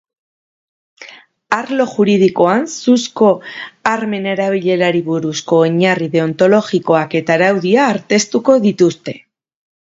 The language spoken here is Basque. Arlo juridikoan suzko armen erabilerari buruzko oinarri deontologikoak eta araudia aztertuko dituzte.